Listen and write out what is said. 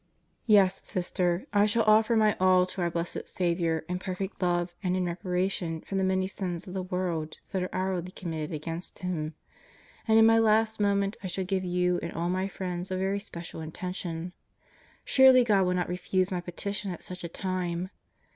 ... Yes, Sister, I shall offer my all to our blessed Saviour in perfect love and in reparation for the many sins of the world that are hourly committed against Him. And in my last moment I shall give you and all my friends a very special intention. Surely God will not refuse my petition at such a time.